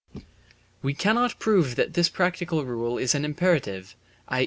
We cannot prove that this practical rule is an imperative, i.